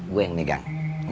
gua yang megang